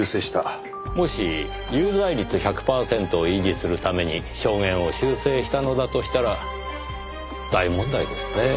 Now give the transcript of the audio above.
もし有罪率１００パーセントを維持するために証言を修正したのだとしたら大問題ですねぇ。